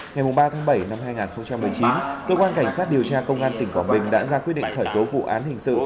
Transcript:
ngày ba tháng bảy năm hai nghìn một mươi chín cơ quan cảnh sát điều tra công an tỉnh quảng bình đã ra quyết định khởi tố vụ án hình sự